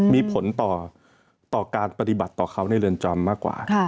มีผลต่อการปฏิบัติต่อเขาในเรือนจำมากกว่า